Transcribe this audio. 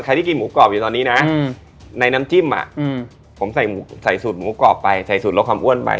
ที่กินหมูกรอบอยู่ตอนนี้นะในน้ำจิ้มผมใส่สูตรหมูกรอบไปใส่สูตรลดความอ้วนไป